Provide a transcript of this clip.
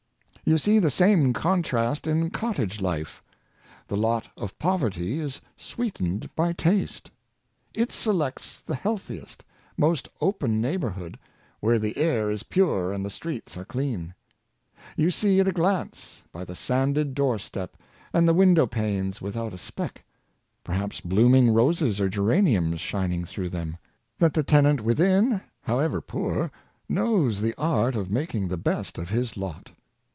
You see the same contrast in cottage life. The lot of poverty is sweetened by taste. It selects the health iest, most open neighborhood, where the air is pure and the streets are clean. You see at a glance, by the sanded door step, and the window panes without a speck — perhaps blooming roses or geraniums shining through them — that the tenant within, however poor, knows the art of making the best of his lot.